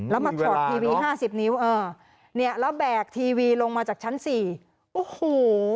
แล้วมาถอดทีวีห้าสิบนิ้วเออเนี่ยแล้วแบกทีวีลงมาจากชั้นสี่โอ้โห